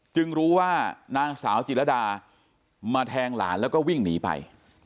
รู้ว่านางสาวจิรดามาแทงหลานแล้วก็วิ่งหนีไป